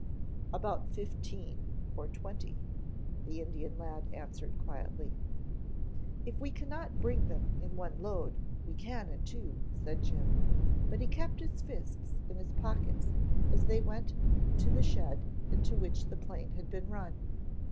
"About fifteen or twenty," the Indian lad answered quietly. "If we cannot bring them in one load, we can in two," said Jim, but he kept his fists in his pockets as they went to the shed into which the plane had been run.